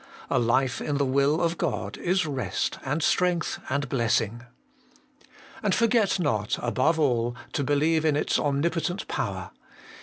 A life in the will of God Is rest and strength and blessing. 3. And forget not, above all, to believe in its Omnipotent Power.